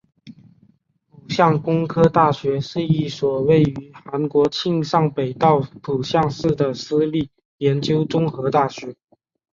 浦项工科大学是一所位于韩国庆尚北道浦项市的私立研究型综合大学。